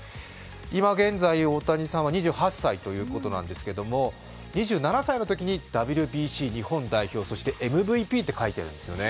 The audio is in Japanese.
今現在、大谷さんは２８歳ということなんですけれども２７歳のとにＷＢＣ日本代表、そしてＭＶＰって書いてるんですよね。